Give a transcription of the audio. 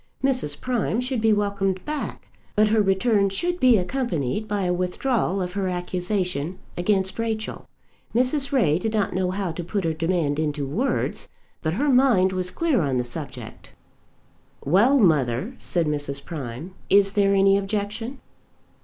Mrs. Prime should be welcomed back, but her return should be accompanied by a withdrawal of her accusation against Rachel. Mrs. Ray did not know how to put her demand into words, but her mind was clear on the subject. "Well, mother," said Mrs. Prime; "is there any objection?"